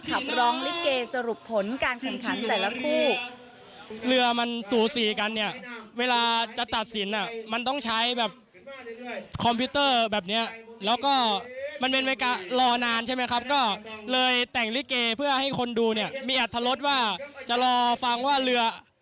ขับรองลิเกสรุปผลการคันแต่ละคู่